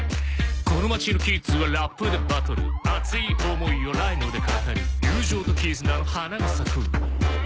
「この町のキッズはラップでバトる」「熱い思いをライムで語る」「友情と絆の花が咲く！」